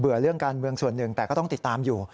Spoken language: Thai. เรื่องการเมืองส่วนหนึ่งแต่ก็ต้องติดตามอยู่